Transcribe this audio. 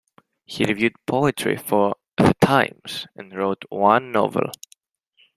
He reviewed poetry for "The Times" and wrote one novel.